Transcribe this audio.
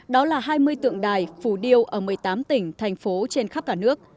đó là hai mươi tượng đài phù điêu ở một mươi tám tỉnh thành phố trên khắp cả nước